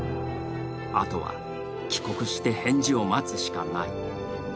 あとは帰国して返事を待つしかない。